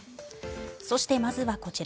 そして、まずはこちら。